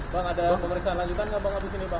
bang ada pemeriksaan lanjutan nggak bang abis ini bang